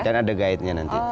dan ada guide nya nanti